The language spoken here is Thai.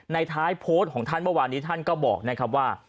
ท้ายโพสต์ของท่านเมื่อวานนี้ท่านก็บอกนะครับว่า